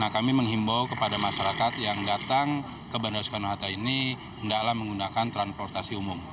kami menghimbau kepada masyarakat yang datang ke bandara soekarno hatta ini tidaklah menggunakan transportasi umum